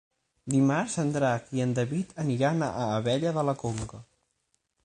Dimarts en Drac i en David aniran a Abella de la Conca.